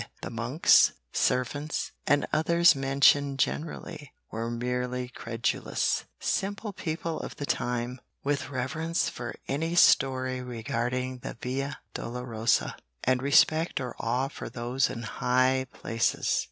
The monks, servants and others mentioned generally, were merely credulous, simple people of the time, with reverence for any story regarding the Via Dolorosa, and respect or awe for those in high places.